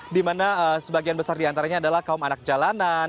di mana sebagian besar diantaranya adalah kaum anak jalanan